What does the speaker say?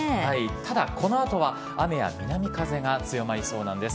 ただ、この後は雨や南風が強まりそうです。